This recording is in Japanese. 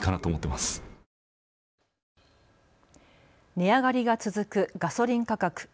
値上がりが続くガソリン価格。